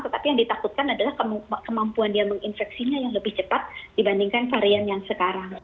tetapi yang ditakutkan adalah kemampuan dia menginfeksinya yang lebih cepat dibandingkan varian yang sekarang